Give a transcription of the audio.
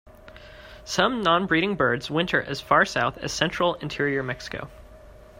Some non-breeding birds winter as far south as central interior Mexico.